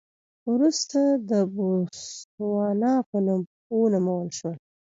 وروسته د بوتسوانا په نوم ونومول شول.